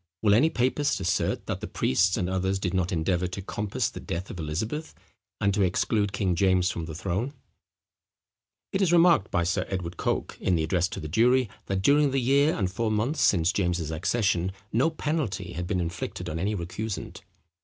Will any papist assert that the priests and others did not endeavour to compass the death of Elizabeth, and to exclude King James from the throne? [Footnote 20: King James's Works, fol. 336.] It is remarked by Sir Edward Coke, in the address to the jury, that during the year and four months since James's accession, no penalty had been inflicted on any recusant.